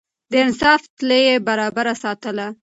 د انصاف تله يې برابره ساتله.